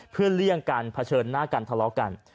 เพื่อเลี่ยงกันเผชิญหน้ากันทะเลาะกัน